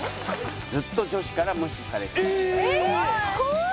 「ずっと女子から無視されていた」